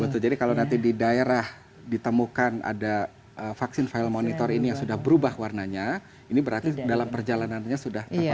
betul jadi kalau nanti di daerah ditemukan ada vaksin file monitor ini yang sudah berubah warnanya ini berarti dalam perjalanannya sudah tepat